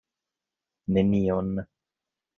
Nenion.